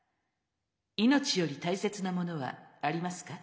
命より大切なものはありますか？